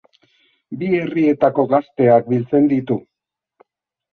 Bi herrietako gazteak biltzen ditu.